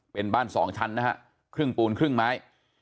เป็นบ้าน๒ชั้นนะฮะครึ่งปูนครึ่งไม้